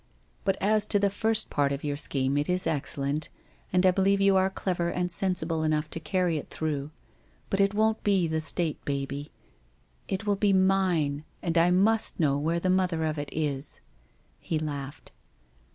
' But as to the first part of your scheme it is excellent, and I believe you are clever and sensible enough to carry it through. But it won't be the State baby, it will be Mine, and I must know where the mother of it is/ He laughed.